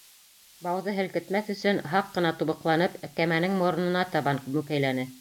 Бауҙы һелкетмәҫ өсөн һаҡ ҡына тубыҡланып, кәмәнең моронона табан мүкәйләне.